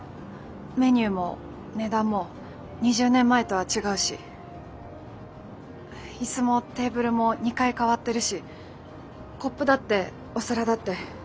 メニューも値段も２０年前とは違うし椅子もテーブルも２回変わってるしコップだってお皿だって。